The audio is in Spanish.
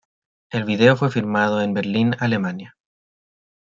El video fue filmado en Berlín, Alemania.